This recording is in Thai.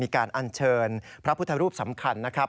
อันเชิญพระพุทธรูปสำคัญนะครับ